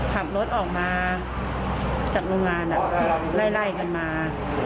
ขับรถออกมาจากโรงงานไล่กันมา